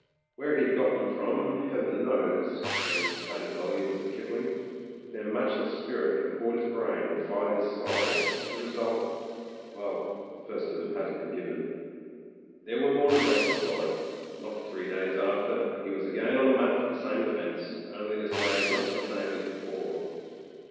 Where he'd got them from. Heaven knows, those tattered volumes of Kipling; but their matchless spirit had caught his brain and fired his soul, with the result — well, the first of them has been given. There were more results to follow. Not three days after he was again upon the mat for the same offence, only to say much the same as before.